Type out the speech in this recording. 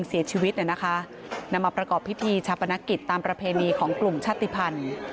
เสียชีวิตเนี่ยนะคะนำมาประกอบพิธีชาปนกิจตามประเพณีของกลุ่มชาติภัณฑ์